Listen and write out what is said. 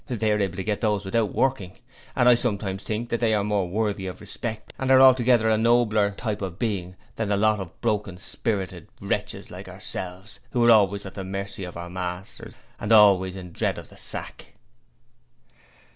They are able to get those without working; and I sometimes think that they are more worthy of respect and are altogether a nobler type of beings than a lot of broken spirited wretches like ourselves, who are always at the mercy of our masters, and always in dread of the sack.'